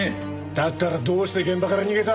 だったらどうして現場から逃げた？